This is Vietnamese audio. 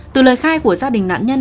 từ lời khai của gia đình nạn nhân